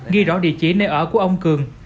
ghi rõ địa chỉ nơi ở của ông cường